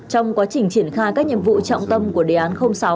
trong quá trình triển khai các nhiệm vụ trọng tâm của đề án sáu